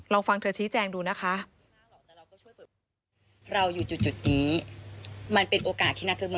ลองฟังเธอชี้แจงดูนะคะ